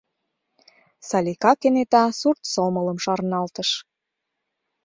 — Салика кенета сурт сомылым шарналтыш.